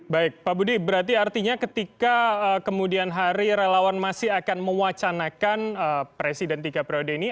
baik pak budi berarti artinya ketika kemudian hari relawan masih akan mewacanakan presiden tiga periode ini